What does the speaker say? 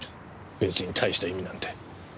別にたいした意味なんて。